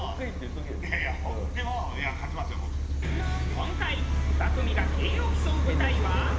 今回２組が「へぇ」を競う舞台は。